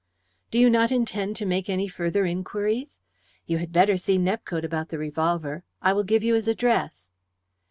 "Do you not intend to make any further inquiries? You had better see Nepcote about the revolver. I will give you his address."